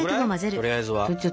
とりあえずは。